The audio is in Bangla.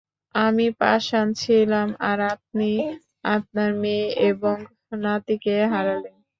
আমি পাষাণ ছিলাম আর আপনি আপনার মেয়ে এবং নাতিকে হারালেন।